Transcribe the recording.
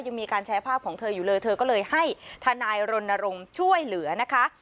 ยังมีการแชร์ภาพของเธออยู่เลยเธอก็เลยให้ทนายรณรงค์ช่วยเหลือนะคะ